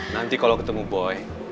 nanti kalau ketemu boy